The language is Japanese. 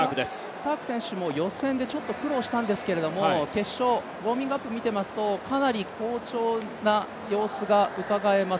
スターク選手も予選ですごく苦労したんですが、ウォーミングアップを見ているとかなり好調な様子がうかがえます。